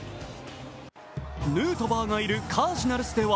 ヌートバーがいるカージナルスでは